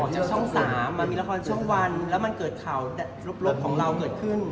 จากช่อง๓มันมีละครช่วงวันแล้วมันเกิดข่าวลบของเราเกิดขึ้น